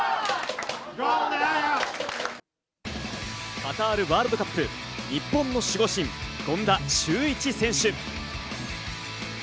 カタールワールドカップ、日本の守護神・権田修一選手。